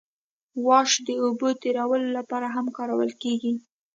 واش د اوبو تیرولو لپاره هم کارول کیږي